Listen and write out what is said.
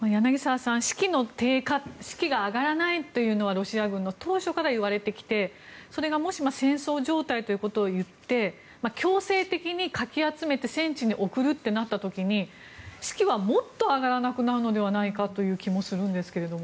柳澤さん、士気の低下士気が上がらないというのはロシア軍、当初から言われてきてそれが、もし戦争状態ということを言って強制的にかき集めて戦地に送るとなった時に士気はもっと上がらなくなるのではないかという気もするんですけど。